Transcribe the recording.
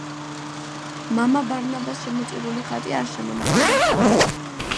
მამა ბარნაბას შემოწირული ხატი არ შემონახულა.